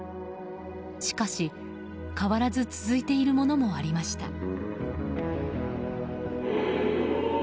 しかし、変わらず続いているものもありました。